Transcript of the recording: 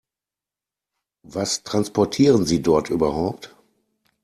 Was transportieren Sie dort überhaupt?